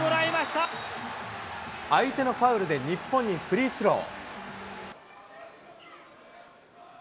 相手のファウルで日本にフリースロー。